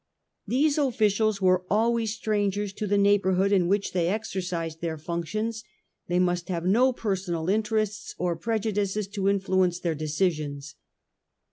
These officials were always strangers to the neighbourhood in which they exercised their functions : they must have no personal interests or prejudices to influence their decisions.